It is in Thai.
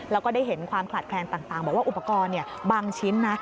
แล้วก็ได้เห็นความขลาดแคลนต่างบอกว่าอุปกรณ์บางชิ้นนะ